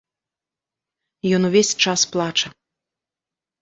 Ён увесь час плача.